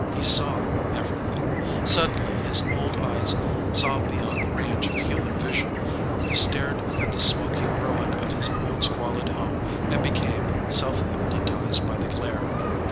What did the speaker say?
He saw everything. Suddenly his old eyes saw beyond the range of human vision. He stared at the smok ing ruin of his old squalid home and became self hypnotized by the glare.